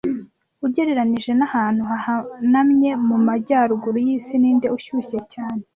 Ugereranije n'ahantu hahanamye mu majyaruguru yisi ninde ushushye cyane